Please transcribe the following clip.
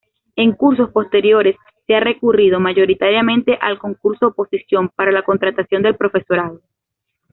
En cursos posteriores se ha recurrido, mayoritariamente, al concurso-oposición para la contratación del profesorado.